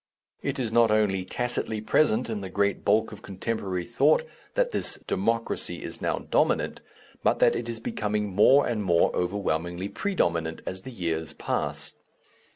It is not only tacitly present in the great bulk of contemporary thought that this "Democracy" is now dominant, but that it is becoming more and more overwhelmingly predominant as the years pass.